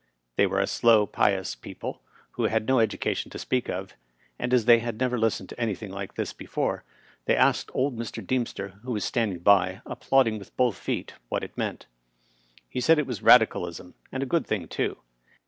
They were a slow, pious people, who had had no education to speak of, and, as they had never listened to anything like this before, they asked old Mr. Deemster, who was standing by applauding with both feet, what it meant. He said it was Radicalism, and a good thing, too.